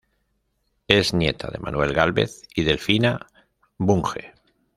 Es nieta de Manuel Gálvez y Delfina Bunge.